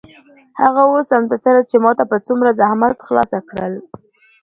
هغه اووه سمستره چې ما په څومره زحمت خلاص کړل.